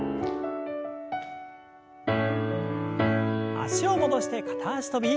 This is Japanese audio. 脚を戻して片脚跳び。